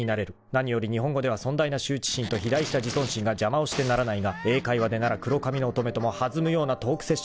［何より日本語では尊大な羞恥心と肥大した自尊心が邪魔をしてならないが英会話でなら黒髪の乙女とも弾むようなトークセッションができる］